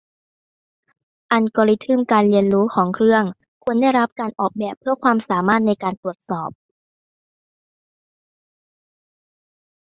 อัลกอริทึมการเรียนรู้ของเครื่องควรได้รับการออกแบบเพื่อความสามารถในการตรวจสอบ